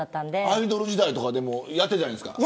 アイドル時代とかでもやってたじゃないですか。